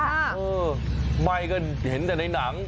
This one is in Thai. เออไม่ก็เห็นแต่ในหนัง